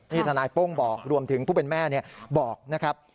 นี่ทนายโป้งบอกรวมถึงผู้เป็นแม่บอกนะครับ